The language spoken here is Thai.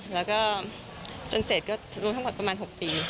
แล้วก็จนเสร็จก็จำนวนทั้งหมดประมาณ๖ปี